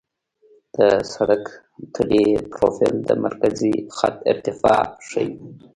د سړک طولي پروفیل د مرکزي خط ارتفاع ښيي